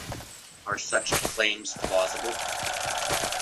Are such claims plausible?